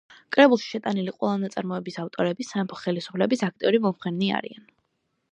კრებულში შეტანილი ყველა ნაწარმოების ავტორები სამეფო ხელისუფლების აქტიური მომხრენი არიან.